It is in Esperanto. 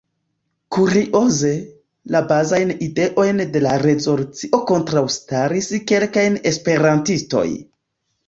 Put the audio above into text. Kurioze, la bazajn ideojn de la rezolucio kontraŭstaris kelkaj esperantistoj.